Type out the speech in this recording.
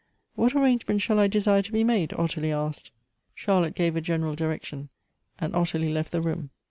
" What arrangement shall I desire to be made? " Ottilie asked. Charlotte gave a general direction, and Ottilie left the room.